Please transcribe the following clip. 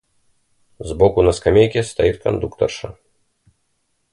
Сбоку на скамейке стоит кондукторша.